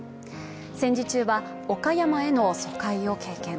戦時中は岡山への疎開を経験